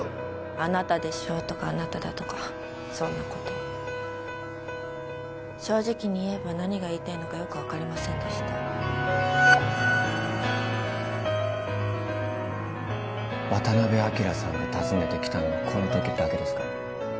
あなたでしょとかあなただとかそんなことを正直に言えば何が言いたいのかよく分かりませんでした渡辺昭さんが訪ねてきたのはこの時だけですか？